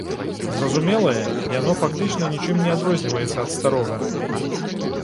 Зразумелае, яно фактычна нічым не адрозніваецца ад старога.